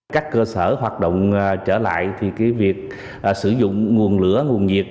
các cơ sở hoạt động trở lại thì việc sử dụng nguồn lửa nguồn nhiệt